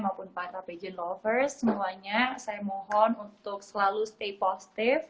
maupun para pagent lovers semuanya saya mohon untuk selalu stay postive